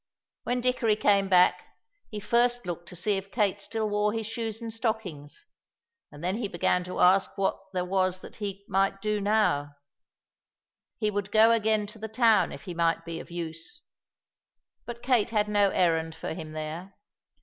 When Dickory came back, he first looked to see if Kate still wore his shoes and stockings, and then he began to ask what there was that he might now do. He would go again to the town if he might be of use. But Kate had no errand for him there.